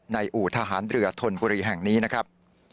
อู่ทหารเรือธนบุรีแห่งนี้นะครับ